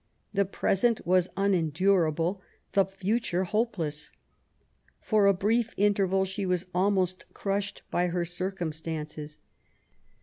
The present was unendurable, the future hopeless. For a brief interval she was almost crushed by her circumstances.